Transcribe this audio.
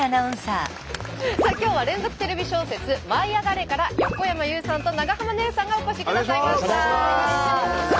さあ今日は連続テレビ小説「舞いあがれ！」から横山裕さんと長濱ねるさんがお越しくださいました。